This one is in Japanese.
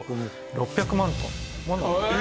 ６００万トン！？